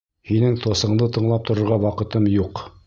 Һинең тосыңды тыңлап торорға ваҡытым юҡ.